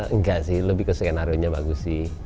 enggak sih lebih ke skenario nya bagus sih